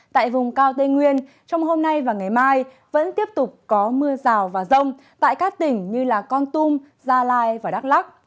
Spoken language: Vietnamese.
tại vùng cao tây nguyên trong hôm nay và ngày mai vẫn tiếp tục có mưa rào và rông tại các tỉnh như con tum gia lai và đắk lắc